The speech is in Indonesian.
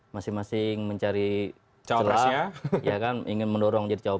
masing masing mencari celah ingin mendorong jadi cawapres